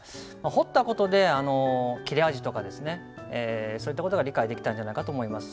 彫った事で切れ味とかそういった事が理解できたんじゃないかと思います。